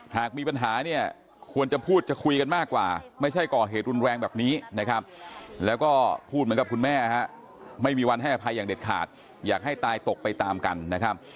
หากมีปัญหาเนี่ยควรจะพูดจะคุยกันมากกว่าไม่ใช่ก่อเหตุรุนแรงแบบนี้นะครับแล้วก็พูดเหมือนกับคุณแม่ไม่มีวันให้อภัยอย่างเด็ดขาดอยากให้ตายตกไปตามกันนะครับ